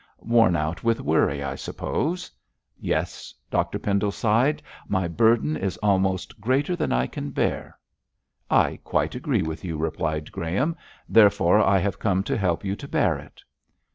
'Worn out with worry, I suppose?' 'Yes,' Dr Pendle sighed; 'my burden is almost greater than I can bear.' 'I quite agree with you,' replied Graham, 'therefore I have come to help you to bear it.'